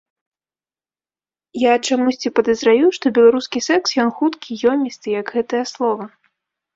Я чамусьці падазраю, што беларускі секс ён хуткі, ёмісты, як гэтае слова.